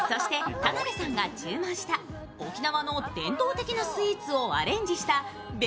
田辺さんが注文した沖縄の伝統的スイーツをアレンジした紅